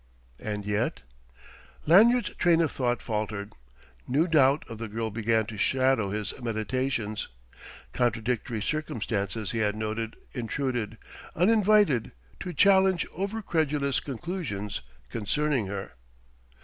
And yet.... Lanyard's train of thought faltered. New doubt of the girl began to shadow his meditations. Contradictory circumstances he had noted intruded, uninvited, to challenge overcredulous conclusions concerning her.